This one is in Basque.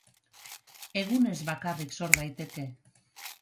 egunez bakarrik sor daiteke